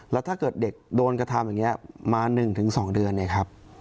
แล้วถ้าเกิดเด็กโดนกระทำอย่างนี้มา๑๒เดือนเนี่ยครับ